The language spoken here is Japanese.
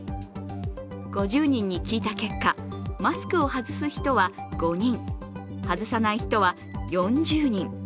５０人に聞いた結果、マスクを外す人は５人、外さない人は４０人。